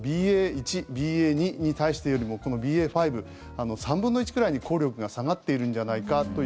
１ＢＡ．２に対してよりもこのＢＡ．５３分の１くらいに効力が下がっているんじゃないかと。